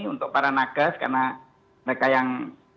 untuk para nagas karena mereka yang